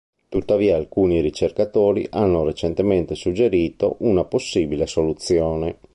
Tuttavia alcuni ricercatori hanno recentemente suggerito una possibile soluzione.